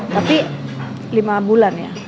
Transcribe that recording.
tapi lima bulan ya